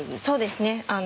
そうですね。